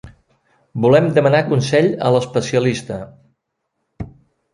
Volem demanar consell a l'especialista.